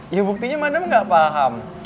ya buktinya madam nggak paham